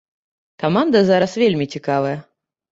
Каманда зараз вельмі цікавая.